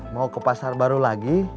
mau ke pasar baru lagi